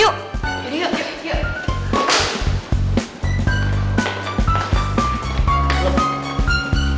yuk yuk yuk